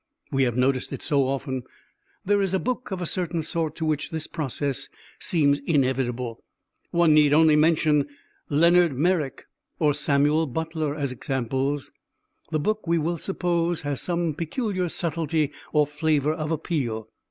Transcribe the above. We have noticed it so often. There is a book of a certain sort to which this process seems inevitable. One need only mention Leonard Merrick or Samuel Butler as examples. The book, we will suppose, has some peculiar subtlety or flavour of appeal.